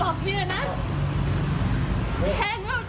ฆ่าคนตายตลอดเนี่ยนะ